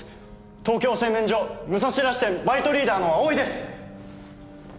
トーキョー製麺所武蔵田支店バイトリーダーの青井です！